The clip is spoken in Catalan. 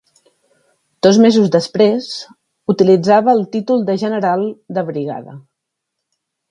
Dos mesos després utilitzava el títol de general de brigada.